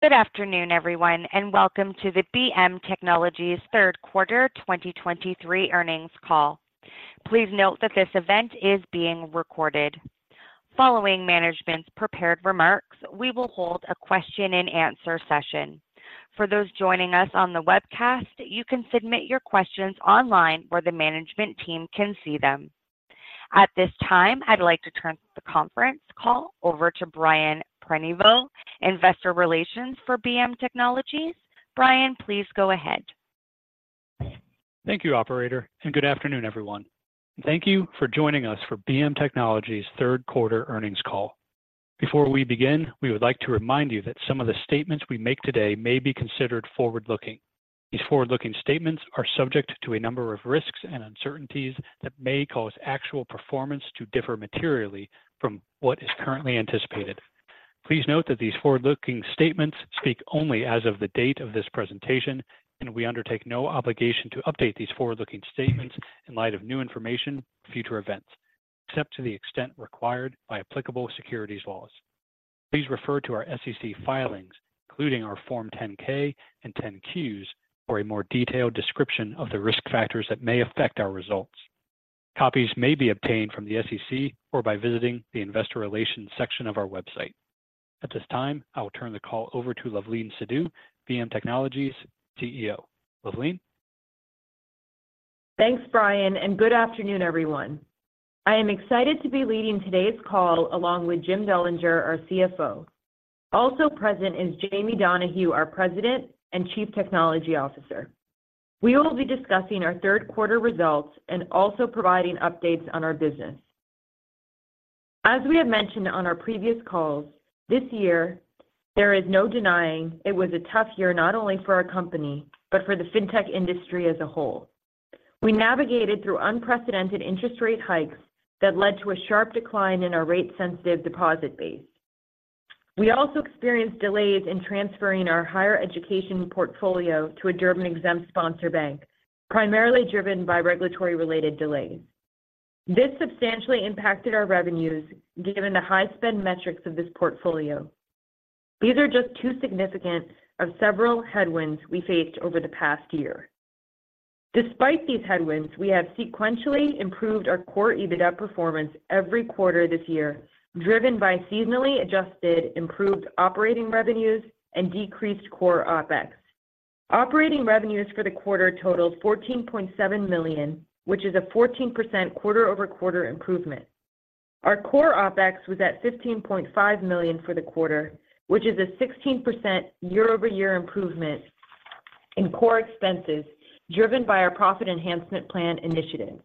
Good afternoon, everyone, and welcome to the BM Technologies third quarter 2023 earnings call. Please note that this event is being recorded. Following management's prepared remarks, we will hold a question-and-answer session. For those joining us on the webcast, you can submit your questions online where the management team can see them. At this time, I'd like to turn the conference call over to Brian Prenoveau, Investor Relations for BM Technologies. Brian, please go ahead. Thank you, operator, and good afternoon, everyone. Thank you for joining us for BM Technologies' third quarter earnings call. Before we begin, we would like to remind you that some of the statements we make today may be considered forward-looking. These forward-looking statements are subject to a number of risks and uncertainties that may cause actual performance to differ materially from what is currently anticipated. Please note that these forward-looking statements speak only as of the date of this presentation, and we undertake no obligation to update these forward-looking statements in light of new information, future events, except to the extent required by applicable securities laws. Please refer to our SEC filings, including our Form 10-K and 10-Qs for a more detailed description of the risk factors that may affect our results. Copies may be obtained from the SEC or by visiting the Investor Relations section of our website. At this time, I will turn the call over to Luvleen Sidhu, BM Technologies CEO. Luvleen? Thanks, Brian, and good afternoon, everyone. I am excited to be leading today's call along with Jim Dullinger, our CFO. Also present is Jamie Donahue, our President and Chief Technology Officer. We will be discussing our third quarter results and also providing updates on our business. As we have mentioned on our previous calls, this year, there is no denying it was a tough year, not only for our company, but for the fintech industry as a whole. We navigated through unprecedented interest rate hikes that led to a sharp decline in our rate-sensitive deposit base. We also experienced delays in transferring our higher education portfolio to a Durbin-exempt sponsor bank, primarily driven by regulatory-related delays. This substantially impacted our revenues, given the high-spend metrics of this portfolio. These are just two significant of several headwinds we faced over the past year. Despite these headwinds, we have sequentially improved our Core EBITDA performance every quarter this year, driven by seasonally adjusted, improved operating revenues and decreased Core OpEx. Operating revenues for the quarter totaled $14.7 million, which is a 14% quarter-over-quarter improvement. Our Core OpEx was at $15.5 million for the quarter, which is a 16% year-over-year improvement in core expenses, driven by our Profit Enhancement Plan initiative.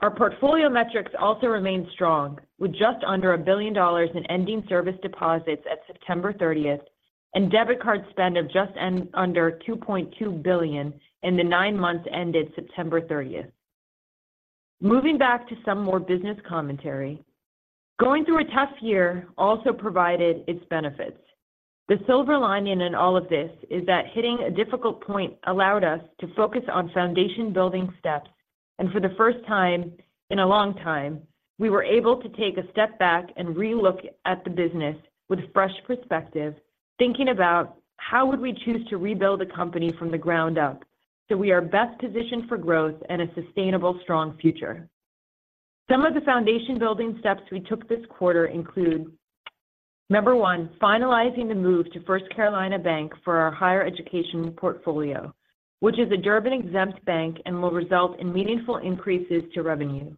Our portfolio metrics also remained strong, with just under $1 billion in ending service deposits at September thirtieth and debit card spend of just under $2.2 billion in the nine months ended September thirtieth. Moving back to some more business commentary. Going through a tough year also provided its benefits. The silver lining in all of this is that hitting a difficult point allowed us to focus on foundation-building steps, and for the first time in a long time, we were able to take a step back and re-look at the business with fresh perspective, thinking about how would we choose to rebuild a company from the ground up, so we are best positioned for growth and a sustainable, strong future. Some of the foundation-building steps we took this quarter include number one, finalizing the move to First Carolina Bank for our higher education portfolio, which is a Durbin-exempt bank and will result in meaningful increases to revenue.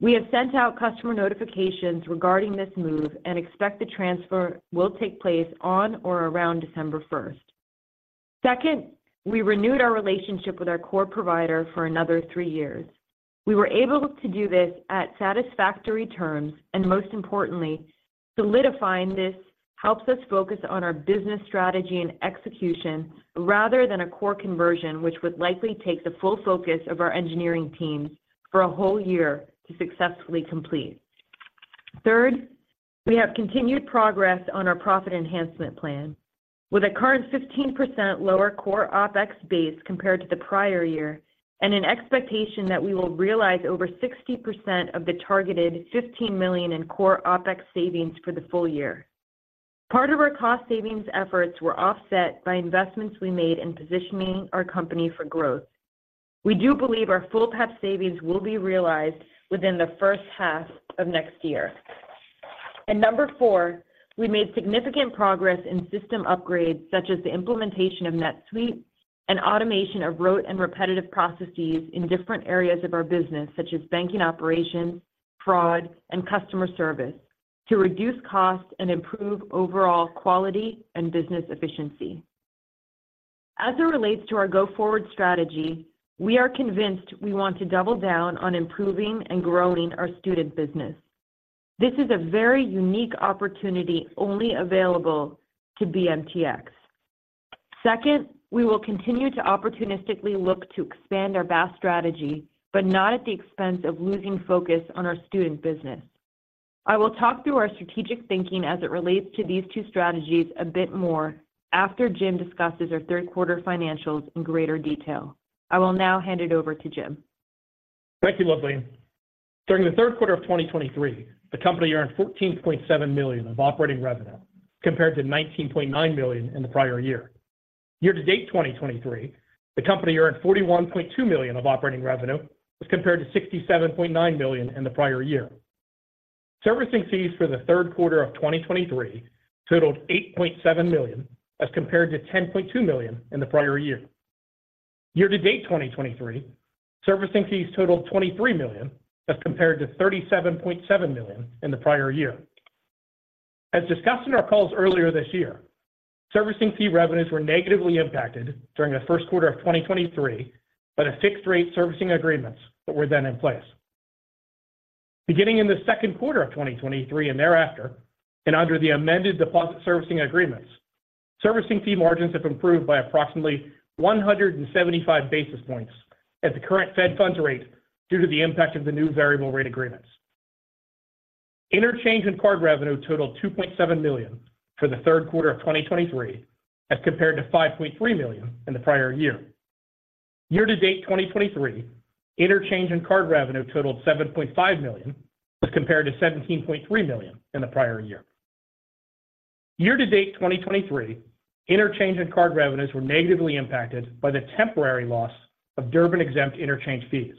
We have sent out customer notifications regarding this move and expect the transfer will take place on or around 1 December 2023. Second, we renewed our relationship with our core provider for another three years. We were able to do this at satisfactory terms and most importantly, solidifying this helps us focus on our business strategy and execution, rather than a core conversion, which would likely take the full focus of our engineering teams for a whole year to successfully complete. Third, we have continued progress on our Profit Enhancement Plan with a current 15% lower Core OpEx base compared to the prior year and an expectation that we will realize over 60% of the targeted $15 million in Core OpEx savings for the full year. Part of our cost savings efforts were offset by investments we made in positioning our company for growth. We do believe our full PEP savings will be realized within the first half of next year. Number four, we made significant progress in system upgrades, such as the implementation of NetSuite and automation of rote and repetitive processes in different areas of our business, such as banking operations, fraud, and customer service, to reduce costs and improve overall quality and business efficiency. As it relates to our go-forward strategy, we are convinced we want to double down on improving and growing our student business. This is a very unique opportunity only available to BMTX. Second, we will continue to opportunistically look to expand our BaaS strategy, but not at the expense of losing focus on our student business. I will talk through our strategic thinking as it relates to these two strategies a bit more after Jim discusses our third quarter financials in greater detail. I will now hand it over to Jim. Thank you, Luvleen. During the third quarter of 2023, the company earned $14.7 million of operating revenue, compared to $19.9 million in the prior year. Year-to-date 2023, the company earned $41.2 million of operating revenue, as compared to $67.9 million in the prior year. Servicing fees for the third quarter of 2023 totaled $8.7 million, as compared to $10.2 million in the prior year. Year-to-date 2023, servicing fees totaled $23 million, as compared to $37.7 million in the prior year. As discussed in our calls earlier this year, servicing fee revenues were negatively impacted during the first quarter of 2023 by the fixed-rate servicing agreements that were then in place. Beginning in the second quarter of 2023 and thereafter, and under the amended deposit servicing agreements, servicing fee margins have improved by approximately 175 basis points at the current Fed Funds Rate due to the impact of the new variable rate agreements. Interchange and card revenue totaled $2.7 million for the third quarter of 2023, as compared to $5.3 million in the prior year. Year-to-date 2023, interchange and card revenue totaled $7.5 million, as compared to $17.3 million in the prior year. Year-to-date 2023, interchange and card revenues were negatively impacted by the temporary loss of Durbin-exempt interchange fees.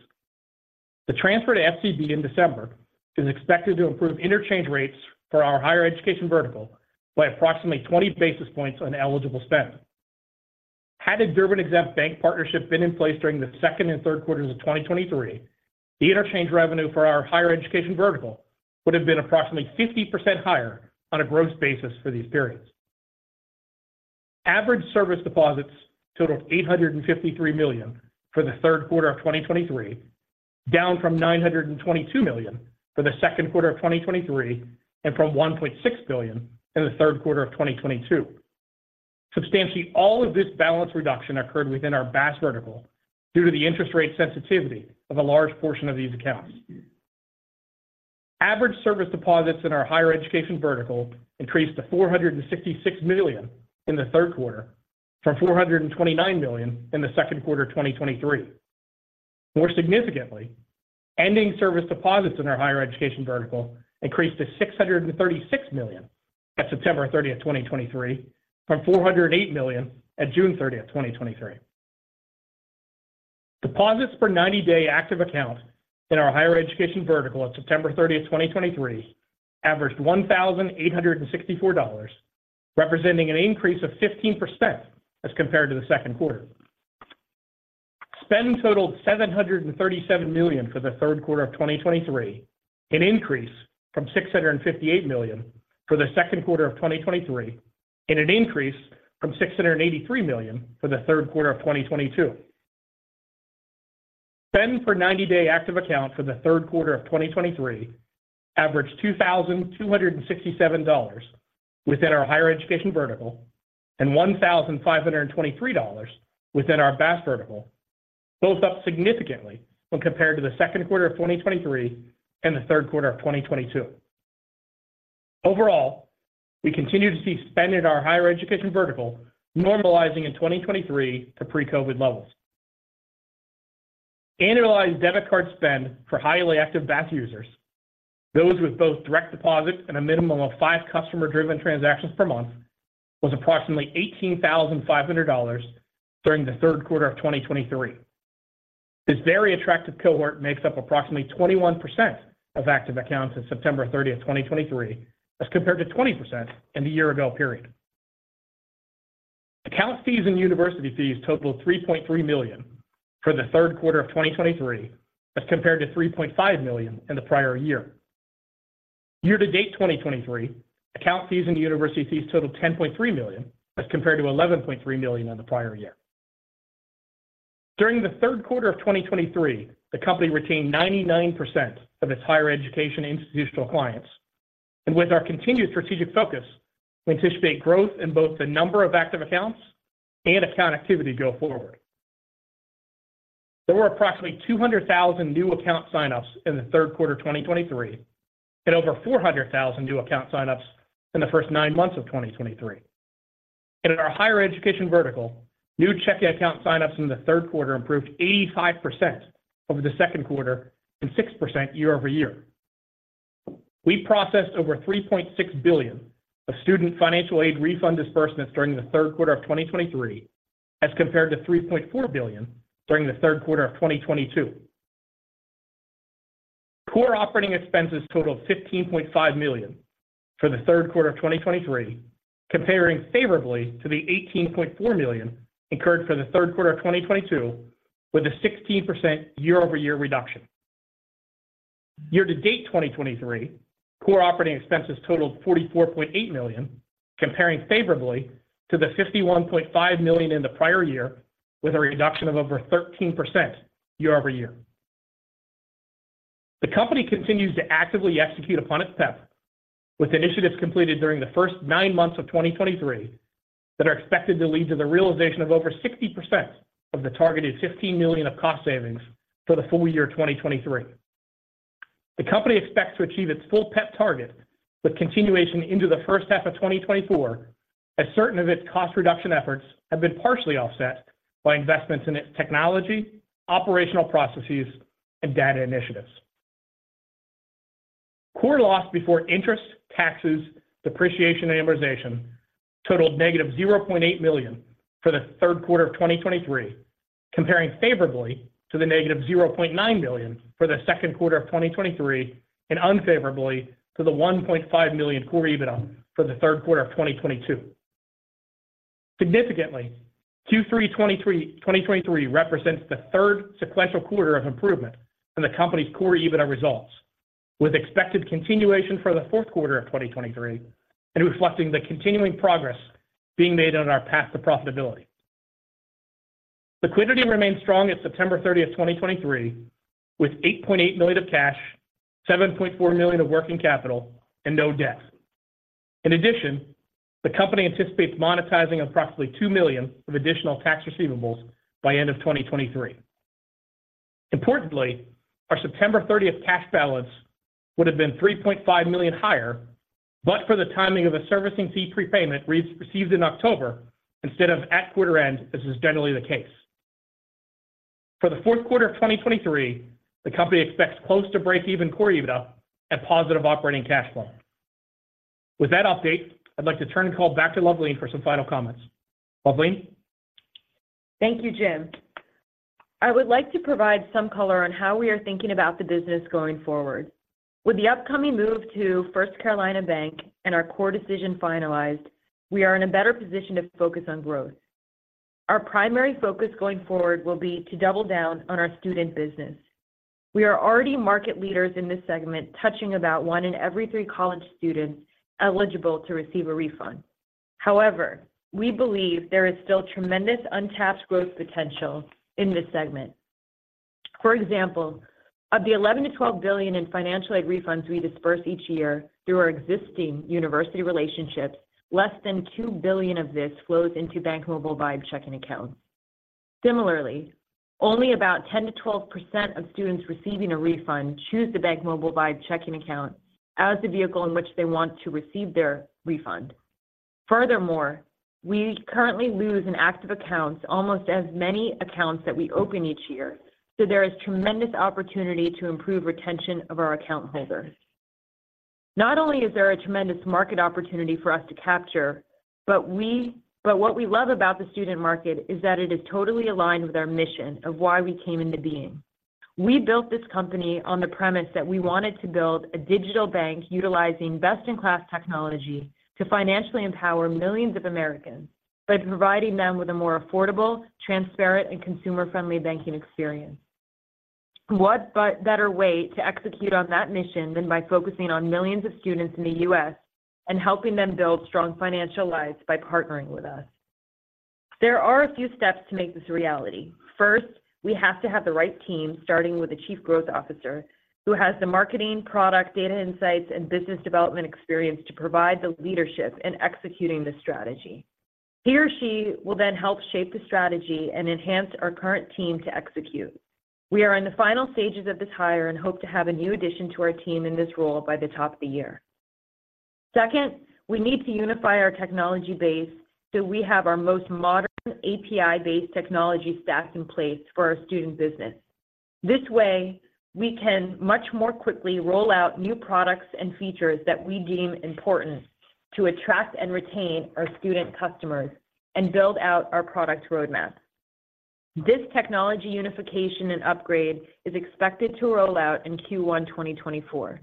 The transfer to FCB in December is expected to improve interchange rates for our higher education vertical by approximately 20 basis points on eligible spend. Had a Durbin-exempt bank partnership been in place during the second and third quarters of 2023, the interchange revenue for our higher education vertical would have been approximately 50% higher on a gross basis for these periods. Average service deposits totaled $853 million for the third quarter of 2023, down from $922 million for the second quarter of 2023, and from $1.6 billion in the third quarter of 2022. Substantially, all of this balance reduction occurred within our BaaS vertical due to the interest rate sensitivity of a large portion of these accounts. Average service deposits in our higher education vertical increased to $466 million in the third quarter, from $429 million in the second quarter of 2023. More significantly, ending service deposits in our higher education vertical increased to $636 million at September 30, 2023, from $408 million at June 30, 2023. Deposits per ninety-day active account in our higher education vertical on September 30, 2023, averaged $1,864, representing an increase of 15% as compared to the second quarter. Spend totaled $737 million for the third quarter of 2023, an increase from $658 million for the second quarter of 2023, and an increase from $683 million for the third quarter of 2022. Spend per ninety-day active account for the third quarter of 2023 averaged $2,267 within our higher education vertical and $1,523 within our BaaS vertical, both up significantly when compared to the second quarter of 2023 and the third quarter of 2022. Overall, we continue to see spend in our higher education vertical normalizing in 2023 to pre-COVID levels. Annualized debit card spend for highly active BaaS users, those with both direct deposits and a minimum of five customer-driven transactions per month, was approximately $18,500 during the third quarter of 2023. This very attractive cohort makes up approximately 21% of active accounts as of September 30, 2023, as compared to 20% in the year ago period. Account fees and university fees totaled $3.3 million for the third quarter of 2023, as compared to $3.5 million in the prior year. Year-to-date 2023, account fees and university fees totaled $10.3 million, as compared to $11.3 million in the prior year. During the third quarter of 2023, the company retained 99% of its higher education institutional clients. With our continued strategic focus, we anticipate growth in both the number of active accounts and account activity go forward. There were approximately 200,000 new account signups in the third quarter of 2023, and over 400,000 new account signups in the first nine months of 2023. In our higher education vertical, new checking account signups in the third quarter improved 85% over the second quarter and 6% year over year. We processed over $3.6 billion of student financial aid refund disbursements during the third quarter of 2023, as compared to $3.4 billion during the third quarter of 2022. Core operating expenses totaled $15.5 million for the third quarter of 2023, comparing favorably to the $18.4 million incurred for the third quarter of 2022, with a 16% year-over-year reduction. Year-to-date 2023, core operating expenses totaled $44.8 million, comparing favorably to the $51.5 million in the prior year, with a reduction of over 13% year-over-year. The company continues to actively execute upon its PEP, with initiatives completed during the first nine months of 2023 that are expected to lead to the realization of over 60% of the targeted $15 million of cost savings for the full year 2023. The company expects to achieve its full PEP target with continuation into the first half of 2024, as certain of its cost reduction efforts have been partially offset by investments in its technology, operational processes, and data initiatives. Core loss before interest, taxes, depreciation, and amortization totaled negative $0.8 million for the third quarter of 2023, comparing favorably to the negative $0.9 million for the second quarter of 2023, and unfavorably to the $1.5 million Core EBITDA for the third quarter of 2022. Significantly, third quarter 2023 represents the third sequential quarter of improvement in the company's Core EBITDA results, with expected continuation for the fourth quarter of 2023, and reflecting the continuing progress being made on our path to profitability. Liquidity remains strong at September 30, 2023, with $8.8 million of cash, $7.4 million of working capital, and no debt. In addition, the company anticipates monetizing approximately $2 million of additional tax receivables by end of 2023. Importantly, our September 30 cash balance would have been $3.5 million higher, but for the timing of a servicing fee prepayment received in October instead of at quarter end, as is generally the case. For the fourth quarter of 2023, the company expects close to break-even Core EBITDA and positive operating cash flow. With that update, I'd like to turn the call back to Luvleen for some final comments. Luvleen? Thank you, Jim. I would like to provide some color on how we are thinking about the business going forward. With the upcoming move to First Carolina Bank and our core decision finalized, we are in a better position to focus on growth. Our primary focus going forward will be to double down on our student business. We are already market leaders in this segment, touching about one in every three college students eligible to receive a refund. However, we believe there is still tremendous untapped growth potential in this segment. For example, of the $11 to 12 billion in financial aid refunds we disburse each year through our existing university relationships, less than $2 billion of this flows into BankMobile Vibe checking accounts. Similarly, only about 10% to 12% of students receiving a refund choose the BankMobile Vibe checking account as the vehicle in which they want to receive their refund. Furthermore, we currently lose in active accounts almost as many accounts that we open each year, so there is tremendous opportunity to improve retention of our account holders. Not only is there a tremendous market opportunity for us to capture, but what we love about the student market is that it is totally aligned with our mission of why we came into being. We built this company on the premise that we wanted to build a digital bank utilizing best-in-class technology to financially empower millions of Americans by providing them with a more affordable, transparent, and consumer-friendly banking experience. What better way to execute on that mission than by focusing on millions of students in the US and helping them build strong financial lives by partnering with us? There are a few steps to make this a reality. First, we have to have the right team, starting with a chief growth officer, who has the marketing, product, data insights, and business development experience to provide the leadership in executing this strategy. He or she will then help shape the strategy and enhance our current team to execute. We are in the final stages of this hire and hope to have a new addition to our team in this role by the end of the year. Second, we need to unify our technology base so we have our most modern API-based technology stack in place for our student business. This way, we can much more quickly roll out new products and features that we deem important to attract and retain our student customers and build out our product roadmap. This technology unification and upgrade is expected to roll out in first quarter 2024.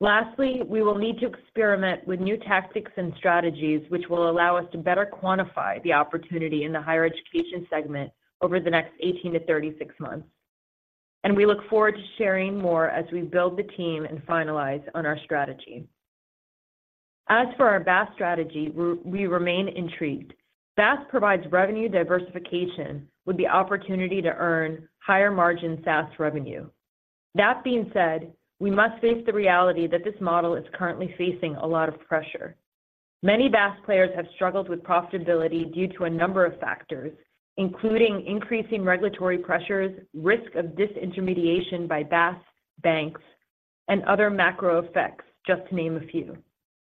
Lastly, we will need to experiment with new tactics and strategies, which will allow us to better quantify the opportunity in the higher education segment over the next 18-36 months. And we look forward to sharing more as we build the team and finalize on our strategy. As for our BaaS strategy, we remain intrigued. BaaS provides revenue diversification with the opportunity to earn higher-margin SaaS revenue. That being said, we must face the reality that this model is currently facing a lot of pressure. Many BaaS players have struggled with profitability due to a number of factors, including increasing regulatory pressures, risk of disintermediation by BaaS banks, and other macro effects, just to name a few.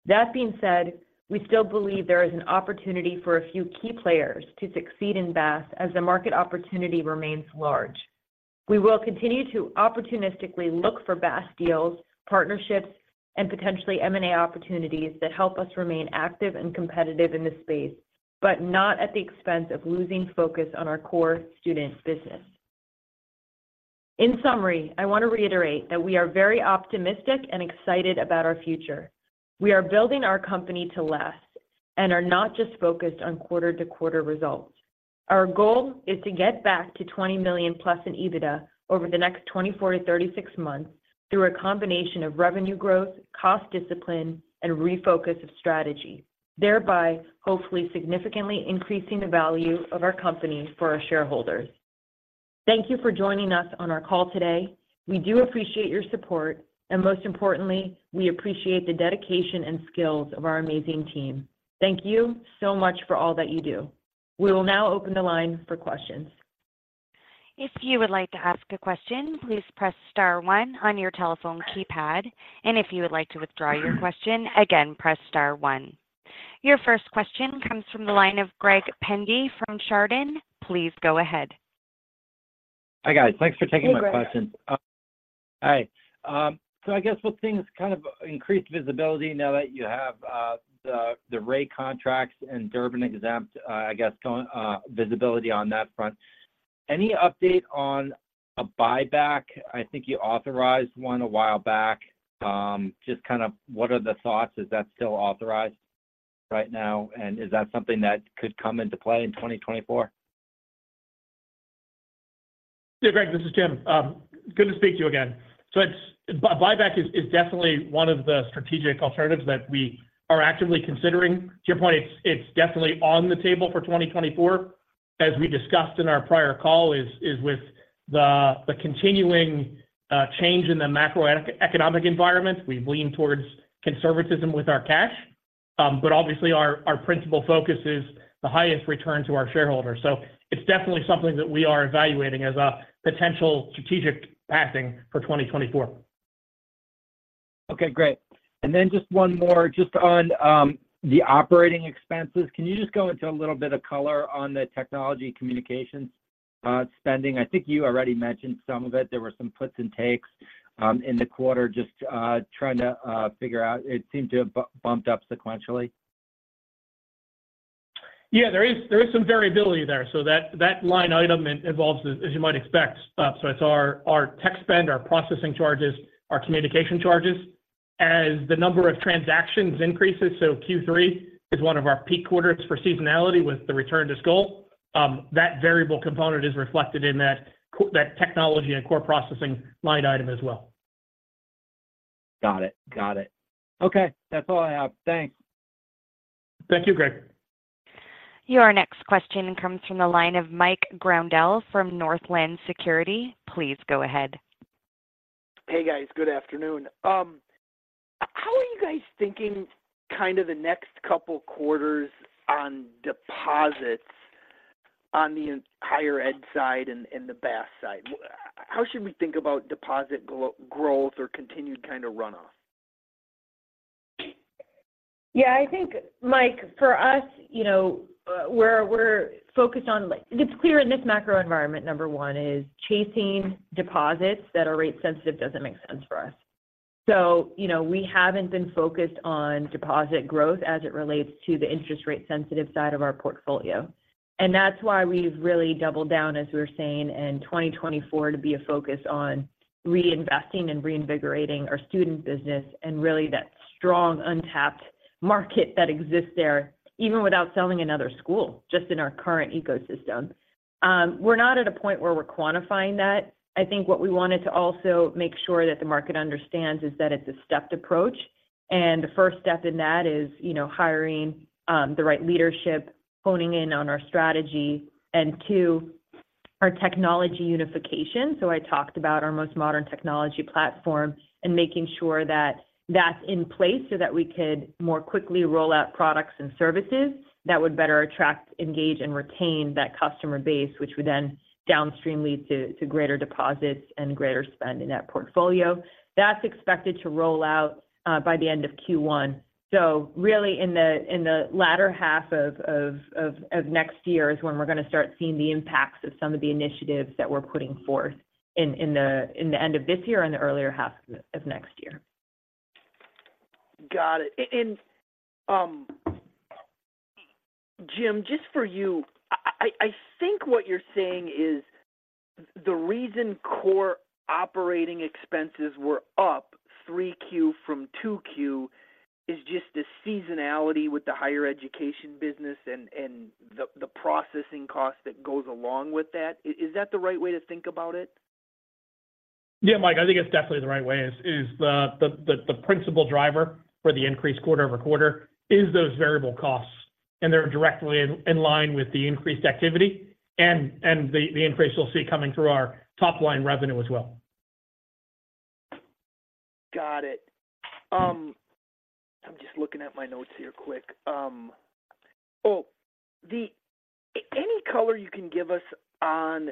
That being said, we still believe there is an opportunity for a few key players to succeed in BaaS as the market opportunity remains large. We will continue to opportunistically look for BaaS deals, partnerships, and potentially M&A opportunities that help us remain active and competitive in this space, but not at the expense of losing focus on our core student business. In summary, I want to reiterate that we are very optimistic and excited about our future. We are building our company to last and are not just focused on quarter-to-quarter results. Our goal is to get back to $20 million+ in EBITDA over the next 24-36 months through a combination of revenue growth, cost discipline, and refocus of strategy, thereby hopefully significantly increasing the value of our company for our shareholders. Thank you for joining us on our call today. We do appreciate your support, and most importantly, we appreciate the dedication and skills of our amazing team. Thank you so much for all that you do.... We will now open the line for questions. If you would like to ask a question, please press star one on your telephone keypad, and if you would like to withdraw your question, again, press star one. Your first question comes from the line of Greg Pendy from Chardan. Please go ahead. Hi, guys. Thanks for taking my question. Hey, Greg. Hi. So I guess with things kind of increased visibility now that you have the rate contracts and Durbin-exempt, I guess going visibility on that front. Any update on a buyback? I think you authorized one a while back. Just kind of what are the thoughts, is that still authorized right now? And is that something that could come into play in 2024? Hey, Greg, this is Jim. Good to speak to you again. So buyback is definitely one of the strategic alternatives that we are actively considering. To your point, it's definitely on the table for 2024. As we discussed in our prior call, with the continuing change in the macroeconomic environment, we lean towards conservatism with our cash. But obviously our principal focus is the highest return to our shareholders. So it's definitely something that we are evaluating as a potential strategic option for 2024. Okay, great. And then just one more just on the operating expenses. Can you just go into a little bit of color on the technology communication spending? I think you already mentioned some of it. There were some puts and takes in the quarter. Just trying to figure out. It seemed to have bumped up sequentially. Yeah, there is some variability there. So that line item involves, as you might expect, so it's our tech spend, our processing charges, our communication charges. As the number of transactions increases, so third quarter is one of our peak quarters for seasonality with the return to school, that variable component is reflected in that technology and core processing line item as well. Got it. Got it. Okay, that's all I have. Thanks. Thank you, Greg. Your next question comes from the line of Mike Grondahl from Northland Securities. Please go ahead. Hey, guys. Good afternoon. How are you guys thinking, kind of the next couple quarters on deposits on the higher ed side and the BaaS side? How should we think about deposit growth or continued kind of runoff? Yeah, I think, Mike, for us, you know, we're, we're focused on—it's clear in this macro environment, number one, is chasing deposits that are rate sensitive doesn't make sense for us. So, you know, we haven't been focused on deposit growth as it relates to the interest rate sensitive side of our portfolio. And that's why we've really doubled down, as we were saying, in 2024, to be a focus on reinvesting and reinvigorating our student business and really that strong untapped market that exists there, even without selling another school, just in our current ecosystem. We're not at a point where we're quantifying that. I think what we wanted to also make sure that the market understands is that it's a stepped approach, and the first step in that is, you know, hiring the right leadership, honing in on our strategy, and two, our technology unification. So I talked about our most modern technology platform and making sure that that's in place so that we could more quickly roll out products and services that would better attract, engage, and retain that customer base, which would then downstream lead to greater deposits and greater spend in that portfolio. That's expected to roll out by the end of first quarter. So really in the latter half of next year is when we're going to start seeing the impacts of some of the initiatives that we're putting forth in the end of this year and the earlier half of next year. Got it. And, Jim, just for you, I think what you're saying is the reason core operating expenses were up 3Q from 2Q is just the seasonality with the higher education business and the processing cost that goes along with that. Is that the right way to think about it? Yeah, Mike, I think it's definitely the right way, is the principal driver for the increased quarter-over-quarter is those variable costs, and they're directly in line with the increased activity and the increase you'll see coming through our top line revenue as well. Got it. I'm just looking at my notes here quick. Oh, any color you can give us on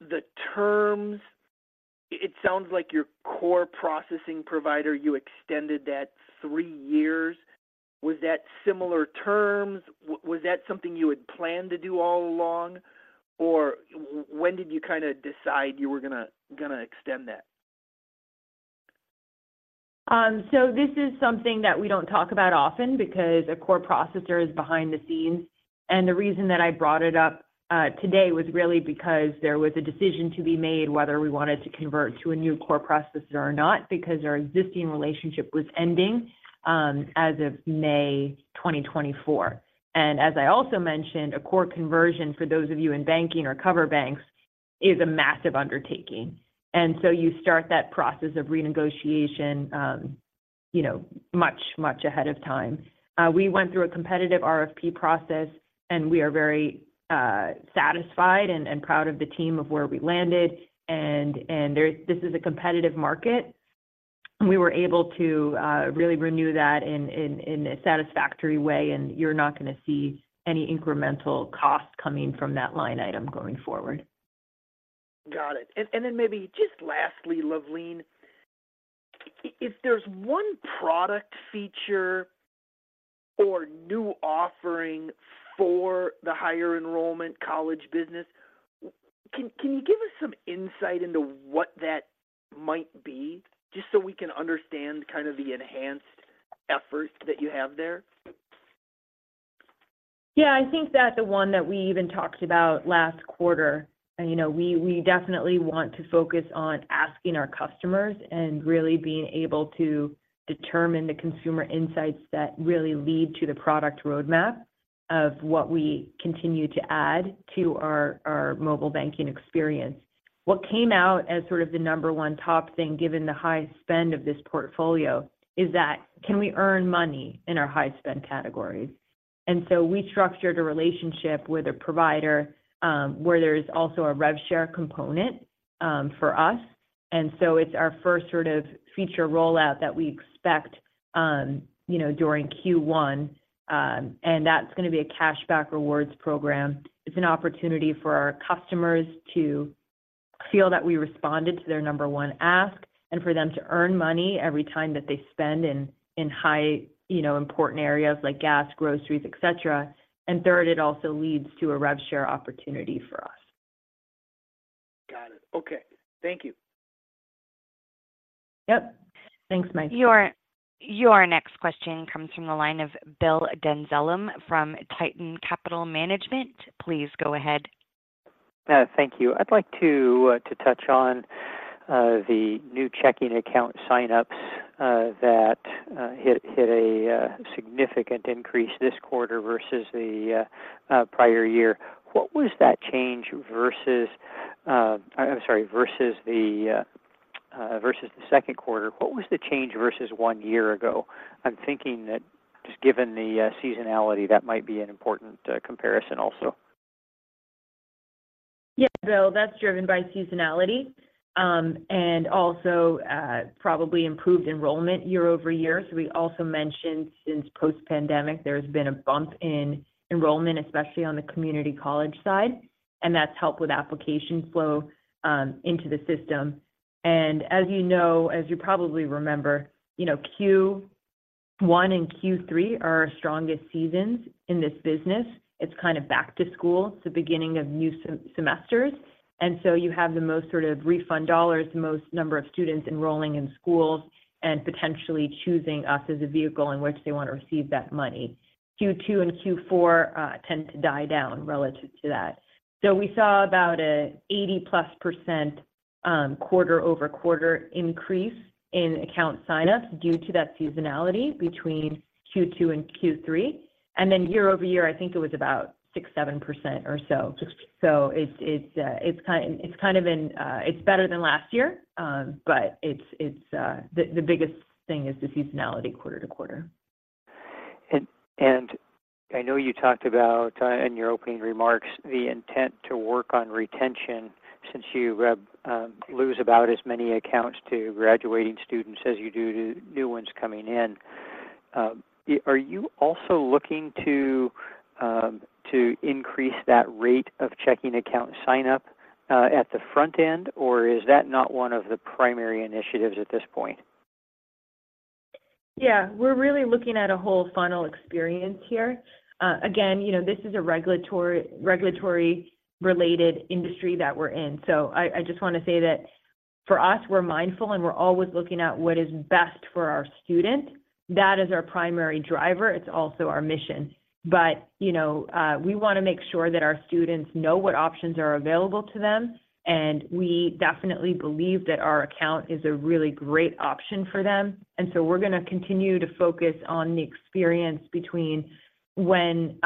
the terms? It sounds like your core processing provider; you extended that three years. Was that similar terms? Was that something you had planned to do all along, or when did you kinda decide you were gonna extend that? So this is something that we don't talk about often because a core processor is behind the scenes. And the reason that I brought it up today was really because there was a decision to be made, whether we wanted to convert to a new core processor or not, because our existing relationship was ending as of May 2024. And as I also mentioned, a core conversion for those of you in banking or core banks is a massive undertaking. And so, you start that process of renegotiation, you know, much, much ahead of time. We went through a competitive RFP process, and we are very satisfied and proud of the team of where we landed. And there is—this is a competitive market. We were able to really renew that in a satisfactory way, and you're not gonna see any incremental costs coming from that line item going forward. Got it. And then maybe just lastly, Luvleen, if there's one product feature or new offering for the higher enrollment college business, can you give us some insight into what that might be, just so we can understand kind of the enhanced effort that you have there? Yeah, I think that's the one that we even talked about last quarter. And, you know, we definitely want to focus on asking our customers and really being able to determine the consumer insights that really lead to the product roadmap of what we continue to add to our mobile banking experience. What came out as sort of the number one top thing, given the high spend of this portfolio, is that can we earn money in our high spend categories? And so we structured a relationship with a provider, where there's also a rev share component, for us. And so it's our first sort of feature rollout that we expect, you know, during first quarter, and that's gonna be a cashback rewards program. It's an opportunity for our customers to feel that we responded to their number one ask, and for them to earn money every time that they spend in high, you know, important areas like gas, groceries, et cetera. And third, it also leads to a rev share opportunity for us. Got it. Okay. Thank you. Yep. Thanks, Mike. Your next question comes from the line of Bill Dezellem from Tieton Capital Management. Please go ahead. Thank you. I'd like to touch on the new checking account signups that hit a significant increase this quarter versus the prior year. What was that change versus... I'm sorry, versus the second quarter, what was the change versus one year ago? I'm thinking that just given the seasonality, that might be an important comparison also. Yeah, Bill, that's driven by seasonality, and also probably improved enrollment year over year. So we also mentioned since post-pandemic, there's been a bump in enrollment, especially on the community college side, and that's helped with application flow into the system. And as you know, as you probably remember, you know, first quarter and third quarter are our strongest seasons in this business. It's kind of back to school, it's the beginning of new semesters, and so you have the most sort of refund dollars, the most number of students enrolling in schools, and potentially choosing us as a vehicle in which they want to receive that money. second quarter and fourth quarter tend to die down relative to that. So we saw about a 80%+ quarter-over-quarter increase in account signups due to that seasonality between second quarter and third quarter. Year-over-year, I think it was about 6% to 7% or so. 6%. So it's kind of in... It's better than last year, but it's the biggest thing is the seasonality quarter to quarter. I know you talked about in your opening remarks the intent to work on retention, since you lose about as many accounts to graduating students as you do to new ones coming in. Are you also looking to increase that rate of checking account signup at the front end, or is that not one of the primary initiatives at this point? Yeah, we're really looking at a whole funnel experience here. Again, you know, this is a regulatory, regulatory-related industry that we're in. So I just wanna say that for us, we're mindful, and we're always looking at what is best for our student. That is our primary driver. It's also our mission. But, you know, we wanna make sure that our students know what options are available to them, and we definitely believe that our account is a really great option for them. We're gonna continue to focus on the experience between when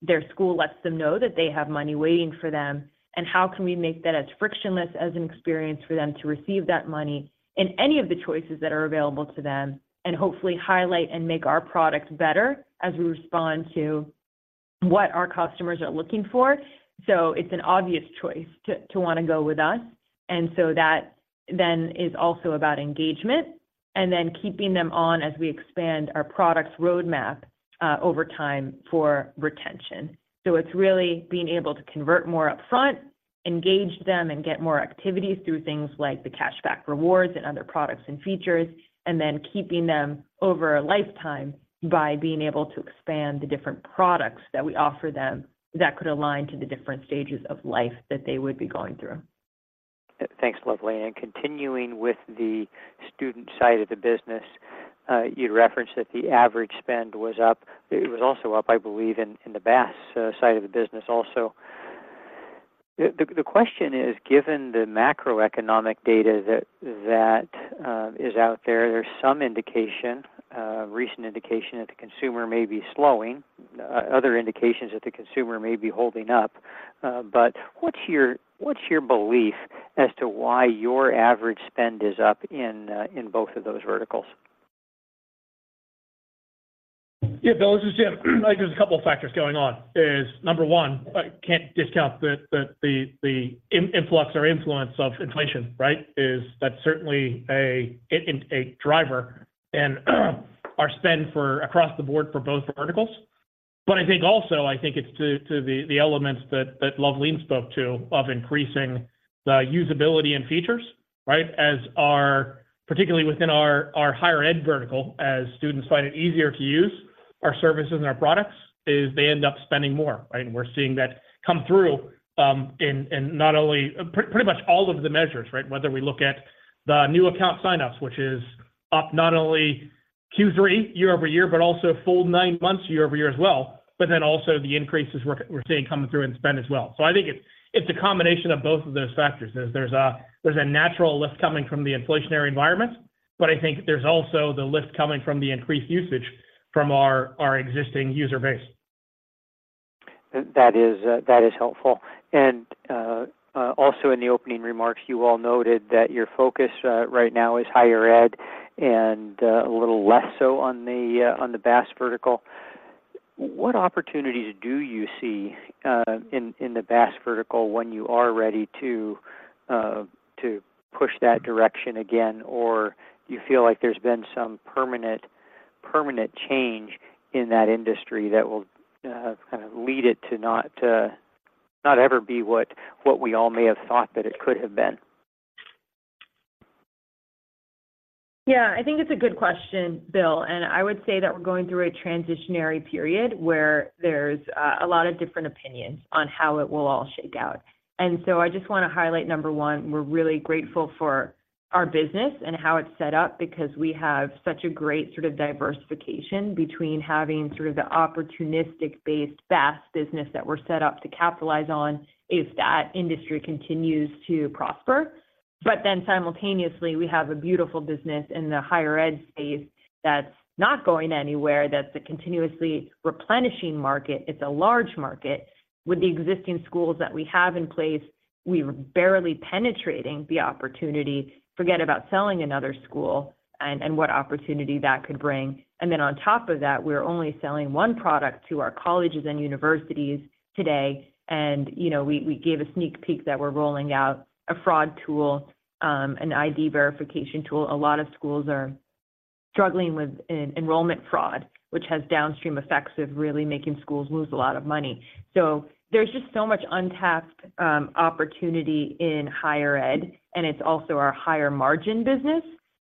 their school lets them know that they have money waiting for them, and how can we make that as frictionless as an experience for them to receive that money in any of the choices that are available to them, and hopefully highlight and make our product better as we respond to what our customers are looking for. It's an obvious choice to wanna go with us, and so that then is also about engagement, and then keeping them on as we expand our products roadmap over time for retention. So it's really being able to convert more upfront, engage them, and get more activities through things like the cashback rewards and other products and features, and then keeping them over a lifetime by being able to expand the different products that we offer them that could align to the different stages of life that they would be going through. Thanks, Luvleen. And continuing with the student side of the business, you referenced that the average spend was up. It was also up, I believe, in the BaaS side of the business also. The question is, given the macroeconomic data that is out there, there's some indication, recent indication that the consumer may be slowing, other indications that the consumer may be holding up. But what's your belief as to why your average spend is up in both of those verticals? Yeah, Bill, just, yeah, like there's a couple of factors going on, is number one, I can't discount the influx or influence of inflation, right? That's certainly a driver in our spend across the board for both verticals. But I think also, I think it's to the elements that Luvleen spoke to of increasing the usability and features, right? As, particularly within our higher ed vertical, as students find it easier to use our services and our products, they end up spending more, right? And we're seeing that come through in not only pretty much all of the measures, right? Whether we look at the new account signups, which is up not only third quarter year-over-year, but also a full nine months year-over-year as well, but then also the increases we're seeing coming through in spend as well. So I think it's a combination of both of those factors. There's a natural lift coming from the inflationary environment, but I think there's also the lift coming from the increased usage from our existing user base. That is, that is helpful. And, also in the opening remarks, you all noted that your focus right now is higher ed and a little less so on the BaaS vertical. What opportunities do you see in the BaaS vertical when you are ready to push that direction again? Or do you feel like there's been some permanent change in that industry that will kind of lead it to not ever be what we all may have thought that it could have been? Yeah, I think it's a good question, Bill, and I would say that we're going through a transitionary period where there's a lot of different opinions on how it will all shake out. And so I just want to highlight, number one, we're really grateful for our business and how it's set up because we have such a great sort of diversification between having sort of the opportunistic-based BaaS business that we're set up to capitalize on if that industry continues to prosper. But then simultaneously, we have a beautiful business in the higher ed space that's not going anywhere, that's a continuously replenishing market. It's a large market. With the existing schools that we have in place, we're barely penetrating the opportunity, forget about selling another school and what opportunity that could bring. And then on top of that, we're only selling one product to our colleges and universities today. And, you know, we gave a sneak peek that we're rolling out a fraud tool, an ID verification tool. A lot of schools are struggling with enrollment fraud, which has downstream effects of really making schools lose a lot of money. So there's just so much untapped opportunity in higher ed, and it's also our higher margin business,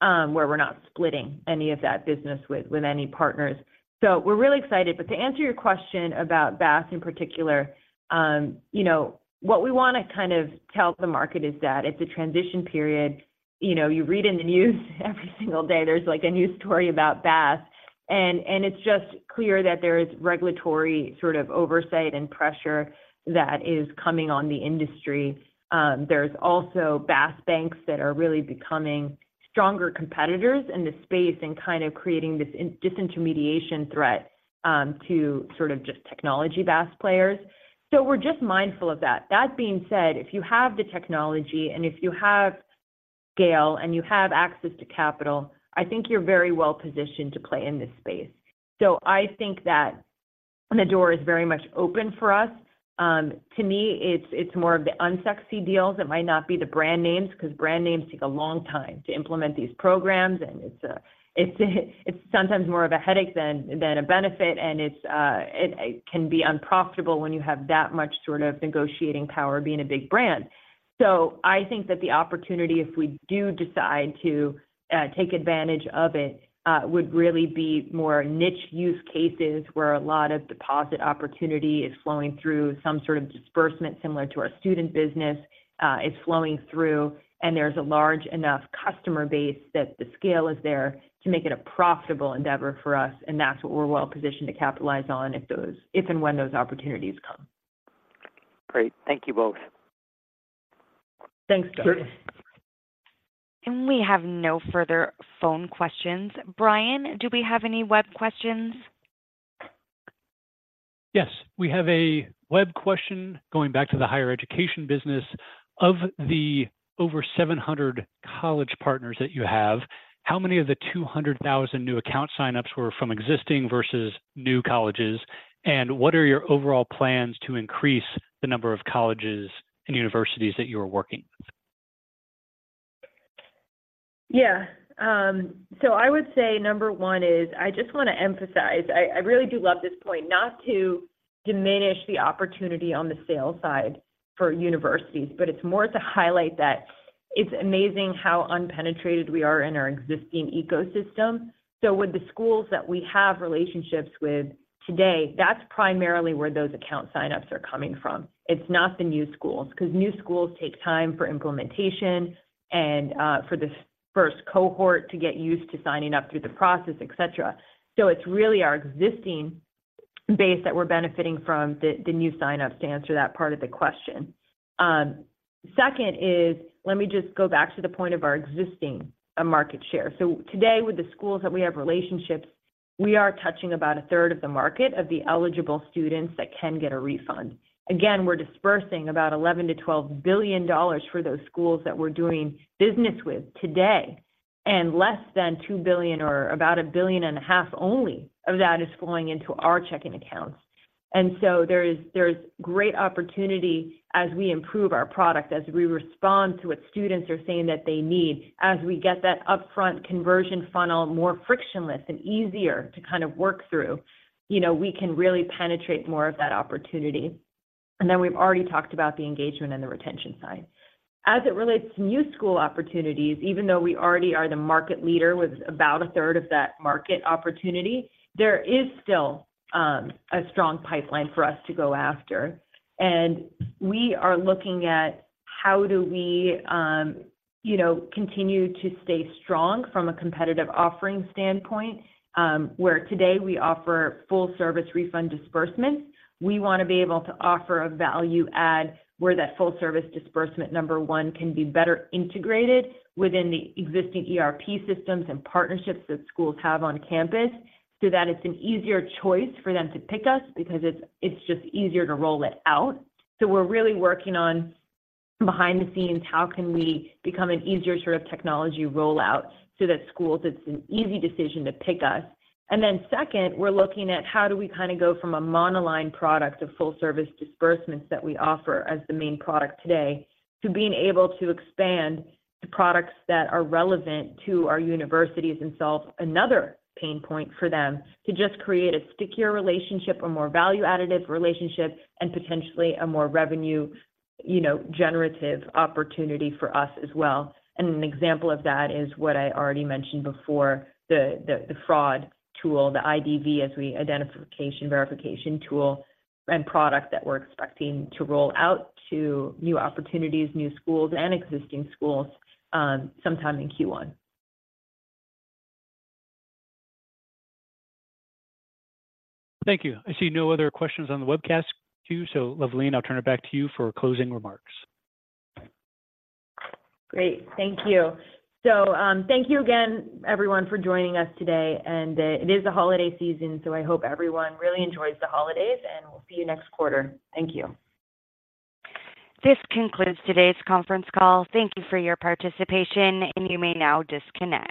where we're not splitting any of that business with any partners. So we're really excited. But to answer your question about BaaS in particular, you know, what we want to kind of tell the market is that it's a transition period. You know, you read in the news every single day. There's, like, a new story about BaaS, and it's just clear that there is regulatory sort of oversight and pressure that is coming on the industry. There's also BaaS banks that are really becoming stronger competitors in this space and kind of creating this disintermediation threat to sort of just technology BaaS players. So we're just mindful of that. That being said, if you have the technology and if you have scale and you have access to capital, I think you're very well positioned to play in this space. So I think that the door is very much open for us. To me, it's more of the unsexy deals. It might not be the brand names, 'cause brand names take a long time to implement these programs, and it's sometimes more of a headache than a benefit, and it can be unprofitable when you have that much sort of negotiating power being a big brand. So I think that the opportunity, if we do decide to take advantage of it, would really be more niche use cases where a lot of deposit opportunity is flowing through some sort of disbursement similar to our student business, and there's a large enough customer base that the scale is there to make it a profitable endeavor for us, and that's what we're well positioned to capitalize on if and when those opportunities come. Great. Thank you both. Thanks, Bill. We have no further phone questions. Brian, do we have any web questions? Yes, we have a web question going back to the higher education business. Of the over 700 college partners that you have, how many of the 200,000 new account signups were from existing versus new colleges? And what are your overall plans to increase the number of colleges and universities that you are working with? Yeah, so I would say number one is, I just want to emphasize, I really do love this point, not to diminish the opportunity on the sales side for universities, but it's more to highlight that it's amazing how unpenetrated we are in our existing ecosystem. So with the schools that we have relationships with today, that's primarily where those account signups are coming from. It's not the new schools, 'cause new schools take time for implementation and for the first cohort to get used to signing up through the process, et cetera. So it's really our existing base that we're benefiting from the new signups, to answer that part of the question. Second is, let me just go back to the point of our existing market share. So today, with the schools that we have relationships, we are touching about a third of the market of the eligible students that can get a refund. Again, we're disbursing about $11 to 12 billion for those schools that we're doing business with today... and less than $2 billion or about $1.5 billion only of that is flowing into our checking accounts. And so, there is, there's great opportunity as we improve our product, as we respond to what students are saying that they need. As we get that upfront conversion funnel more frictionless and easier to kind of work through, you know, we can really penetrate more of that opportunity. And then we've already talked about the engagement and the retention side. As it relates to new school opportunities, even though we already are the market leader with about a third of that market opportunity, there is still a strong pipeline for us to go after. And we are looking at how do we, you know, continue to stay strong from a competitive offering standpoint, where today we offer full service refund disbursements. We want to be able to offer a value add where that full service disbursement number one can be better integrated within the existing ERP systems and partnerships that schools have on campus, so that it's an easier choice for them to pick us because it's just easier to roll it out. So we're really working on behind the scenes, how can we become an easier sort of technology rollout so that schools, it's an easy decision to pick us. And then second, we're looking at how do we kind of go from a monoline product of full service disbursements that we offer as the main product today, to being able to expand to products that are relevant to our universities and solve another pain point for them to just create a stickier relationship, a more value additive relationship, and potentially a more revenue, you know, generative opportunity for us as well. An example of that is what I already mentioned before, the fraud tool, the IDV, identity verification tool and product that we're expecting to roll out to new opportunities, new schools, and existing schools sometime in first quarter. Thank you. I see no other questions on the webcast queue, so Luvleen, I'll turn it back to you for closing remarks. Great. Thank you. So, thank you again, everyone, for joining us today, and, it is the holiday season, so I hope everyone really enjoys the holidays, and we'll see you next quarter. Thank you. This concludes today's conference call. Thank you for your participation, and you may now disconnect.